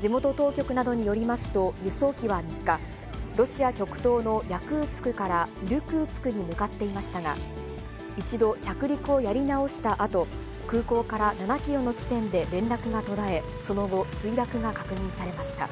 地元当局などによりますと、輸送機は３日、ロシア極東のヤクーツクからイルクーツクに向かっていましたが、一度着陸をやり直したあと、空港から７キロの地点で連絡が途絶え、その後、墜落が確認されました。